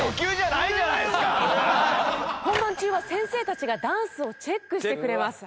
本番中は先生たちがダンスをチェックしてくれます。